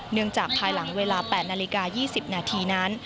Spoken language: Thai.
จากภายหลังเวลา๘นาฬิกา๒๐นาทีนั้น